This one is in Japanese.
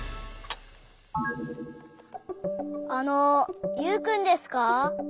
あのユウくんですか？